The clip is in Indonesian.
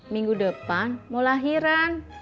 minggu depan mau lahiran